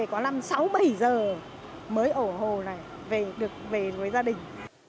có lâm sáu bảy giờ mới ở hồ này được về với gia đình